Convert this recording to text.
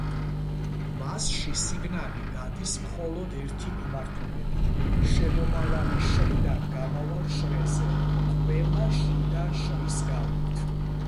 მასში სიგნალი გადის მხოლოდ ერთი მიმართულებით: შემომავალი შრიდან გამავალ შრეზე, ყველა შიდა შრის გავლით.